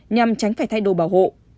nhằm tránh phải thay đồ bảo hộ